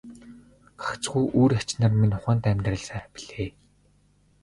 Гагцхүү үр ач нар минь ухаантай амьдраасай билээ.